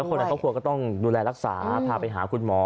แล้วคนอาทิตย์ต้องดูแลรักษาพาไปหาคุณหมอ